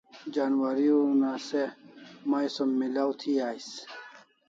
Janwari una se mai som milaw thi ais